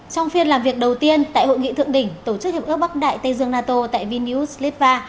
trong phiên làm việc đầu tiên tại hội nghị thượng đỉnh tổ chức hiệp ước bắc đại tây dương nato tại vinius litva